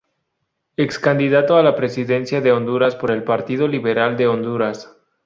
Excandidato a la presidencia de Honduras por el Partido Liberal de Honduras.